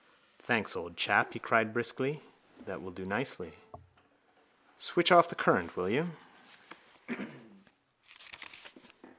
—Thanks, old chap, he cried briskly. That will do nicely. Switch off the current, will you?